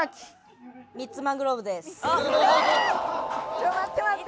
ちょっ待って待って！